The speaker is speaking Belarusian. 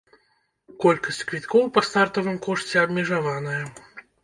Колькасць квіткоў па стартавым кошце абмежаваная.